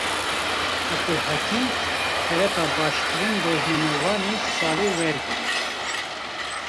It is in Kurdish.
Abdulhekîm, xelata baştirîn rojnamevanê salê wergirt